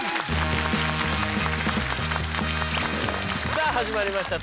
さあ始まりました